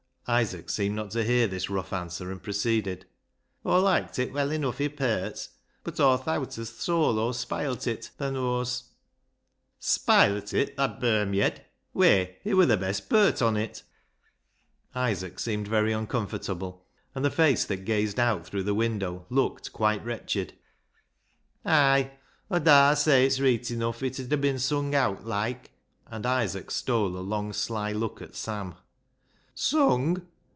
" Isaac seemed not to hear this rough answer, and proceeded —" Aw loiked it weel enuff i' perts, bud Aw thowt as th' solo spilet it, thaa knows." ISAAC'S ANGEL 245 " Spilet it, thaa bermyed, whey it wur the best pert on it." Isaac seemed very uncomfortable, and the face that gazed out through the window looked quite wretched. "Ay! Aw darr say it's reet enuff if it 'ud bin sung owt like" — and Isaac stole a long sly look at Sam. " Sung